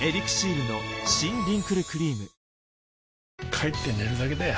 帰って寝るだけだよ